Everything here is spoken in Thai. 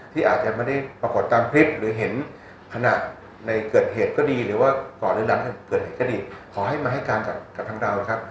ที่อาจจะไม่ได้ปรากฏตามคลิปหรือเห็นขณะในเกิดเหตุก็ดีหรือว่าก่อนในนั้นเกิดเหตุก็ดีขอให้มาให้การกับทางเรานะครับ